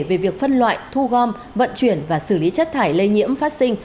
về việc phân loại thu gom vận chuyển và xử lý chất thải lây nhiễm phát sinh